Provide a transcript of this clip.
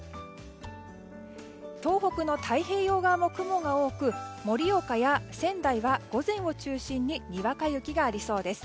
東北の太平洋側も雲が多く盛岡や仙台は午前を中心ににわか雪がありそうです。